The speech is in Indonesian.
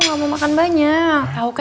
gak mau makan banyak